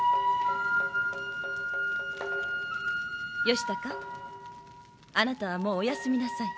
義高あなたはもうお休みなさい。